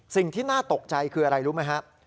สิ่งที่น่าตกใจคืออะไรรู้ไหมครับ